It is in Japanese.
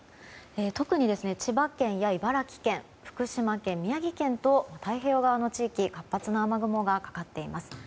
特に千葉県や茨城県福島県、宮城県と太平洋側の地域に活発な雨雲がかかっています。